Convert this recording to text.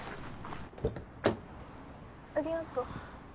ありがとう。